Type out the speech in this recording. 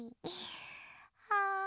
はあ。